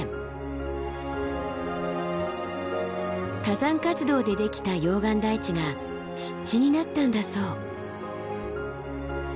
火山活動でできた溶岩台地が湿地になったんだそう。